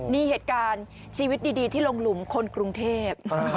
นี่เหตุการณ์ชีวิตดีที่ลงหลุมคนกรุงเทพ